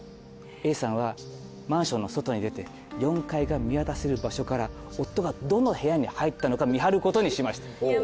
Ａさんはマンションの外に出て４階が見渡せる場所から夫がどの部屋に入ったのか見張ることにしました。